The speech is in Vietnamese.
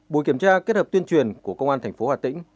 bộ kiểm tra kết hợp tuyên truyền của công an tp hà tĩnh